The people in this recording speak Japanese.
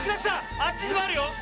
あっちにもあるよ！